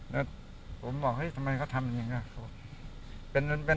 แล้วผมบอกเฮ้ยทำไมเขาทำอย่างนี้